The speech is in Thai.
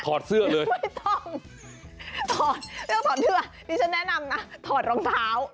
ทอดเสื้อเลยไม่ต้องทอดเสื้อนี่ฉันแนะนำนะทอดรองเท้า